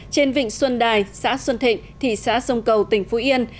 trên vịnh xuân đài xã xuân thịnh thị xã sông cầu tỉnh phú yên